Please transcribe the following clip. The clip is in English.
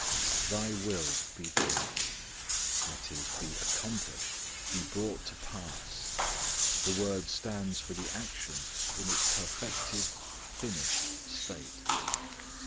"Thy will be done." That is, be accomplished, be brought to pass. The word stands for the action in its perfected, finished state.